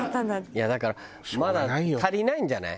いやだからまだ足りないんじゃない？